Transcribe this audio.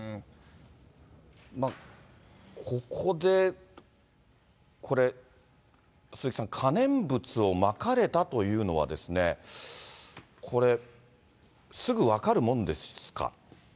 ここで、鈴木さん、可燃物をまかれたというのは、これ、すぐ分かるもんですか？